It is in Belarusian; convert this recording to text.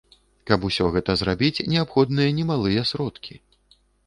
Каб усё гэта зрабіць, неабходныя немалыя сродкі.